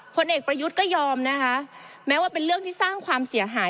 ผลเอกประยุทธ์ก็ยอมนะคะแม้ว่าเป็นเรื่องที่สร้างความเสียหาย